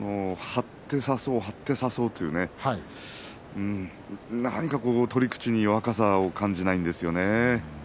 張って差そう、張って差そう何か取り口に若さを感じないんですよね。